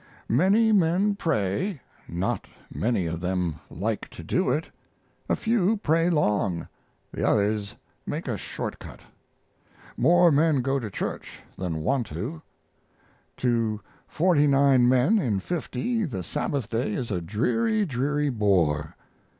Many men pray, not many of them like to do it. A few pray long, the others make a short cut. More men go to church than want to. To forty nine men in fifty the Sabbath day is a dreary, dreary bore.